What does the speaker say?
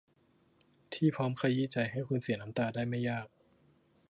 ที่พร้อมขยี้ใจให้คุณเสียน้ำตาได้ไม่ยาก